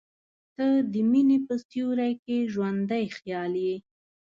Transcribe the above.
• ته د مینې په سیوري کې ژوندی خیال یې.